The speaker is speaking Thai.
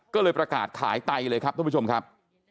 ก็เลยประกาศขายไตเลยครับท่านผู้ชมครับ